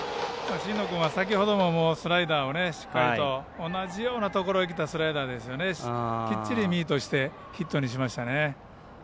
新野君は先ほどもスライダーをしっかりと同じようなところで入れたスライダーをきっちりミートしてヒットにしましたね。